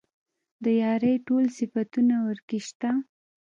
د يارۍ ټول صفتونه ورکې شته.